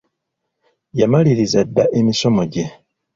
Yamaliriza dda emisomo gye.